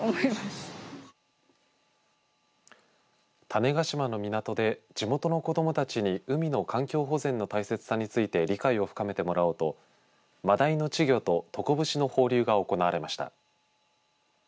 種子島の港で地元の子どもたちに海の環境保全の大切さについて理解を深めてもらおうとマダイの稚魚とトコブシの放流が行われました。